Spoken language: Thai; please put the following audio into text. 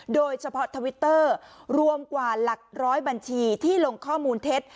โดยเฉพาะทวิตเตอร์รวมกว่าหลักร้อยบัญชีที่ลงข้อมูลเท็จ